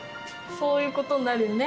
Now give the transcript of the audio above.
そういうことになるよね。